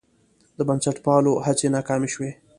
د بنسټپالو هڅې ناکامې شوې.